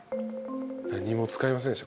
何も使いませんでした